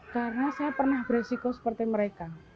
karena saya pernah berisiko seperti mereka